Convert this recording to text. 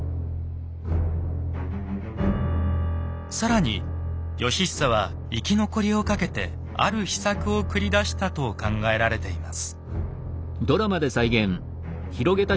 更に義久は生き残りをかけてある秘策を繰り出したと考えられています。